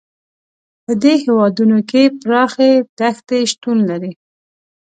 په دې هېوادونو کې پراخې دښتې شتون لري.